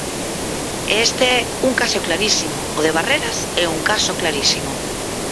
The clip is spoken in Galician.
E este é un caso clarísimo, o de Barreras é un caso clarísimo.